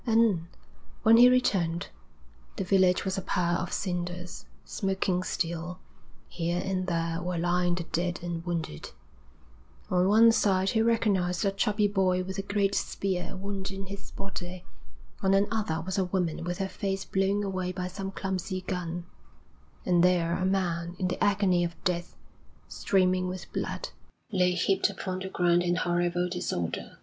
And, when he returned, the village was a pile of cinders, smoking still; here and there were lying the dead and wounded; on one side he recognised a chubby boy with a great spear wound in his body; on another was a woman with her face blown away by some clumsy gun; and there a man in the agony of death, streaming with blood, lay heaped upon the ground in horrible disorder.